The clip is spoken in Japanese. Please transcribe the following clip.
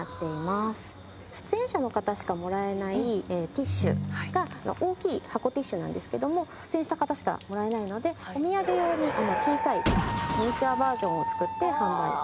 出演者の方しかもらえないティッシュが大きい箱ティッシュなんですけれども出演した方しかもらえないのでお土産用に小さいミニチュアバージョンを作って販売しています。